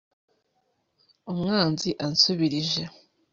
umwanzi ansumbirije